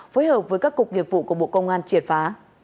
phối hợp với các cục nghiệp vụ của bộ công an triệt phá